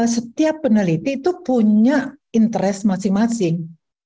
setiap peneliti itu punya interest masing masing